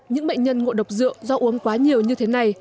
những bệnh nhân ngộ độc rượu do uống quá nhiều như thế này